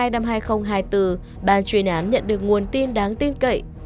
tháng hai năm hai nghìn hai mươi bốn ban chuyển án nhận được nguồn tin đáng tin cậy